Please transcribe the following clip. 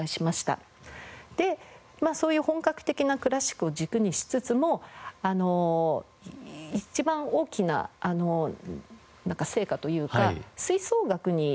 でそういう本格的なクラシックを軸にしつつも一番の大きな成果というか吹奏楽に着眼しだすんですね。